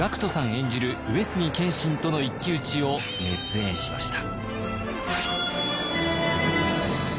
演じる上杉謙信との一騎打ちを熱演しました。